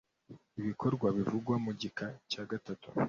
ibikorwa bivugwa mu gika cya gatatu